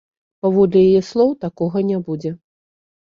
Паводле яе слоў, такога не будзе.